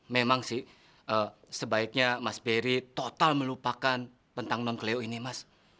memang sih sebaiknya mas beri total melupakan tentang non cleo ini mas